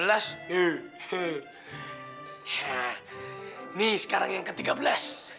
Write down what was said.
nah ini sekarang yang ke tiga belas